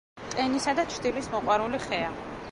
ტენისა და ჩრდილის მოყვარული ხეა.